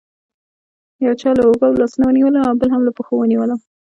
یو چا له اوږو او لاسونو ونیولم او بل هم له پښو ونیولم.